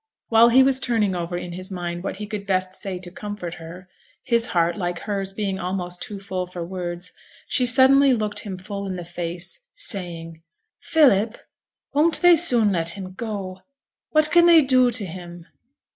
While he was turning over in his mind what he could best say to comfort her (his heart, like hers, being almost too full for words), she suddenly looked him full in the face, saying, 'Philip! won't they soon let him go? what can they do to him?'